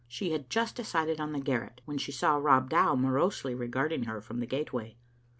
She had just decided on the garret when she saw Rob Dow morosely regarding her from the gateway.